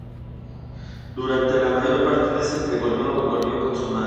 Durante la mayor parte de ese periodo vivió con su madre.